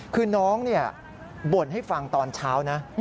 คือน้องบ่นให้ฟังตอนเช้านะ